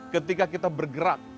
ketika kita bergerak